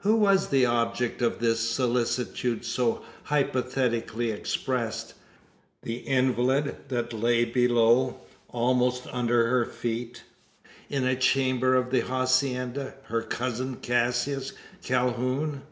Who was the object of this solicitude so hypothetically expressed? The invalid that lay below, almost under her feet, in a chamber of the hacienda her cousin Cassius Calhoun?